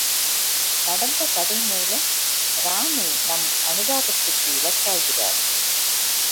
நடந்த கதை மூலம், ராணி நம் அனுதாபத்துக்கு இலக்காகிறாள்!